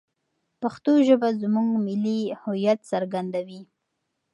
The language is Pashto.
پښتو ژبه زموږ ملي هویت څرګندوي.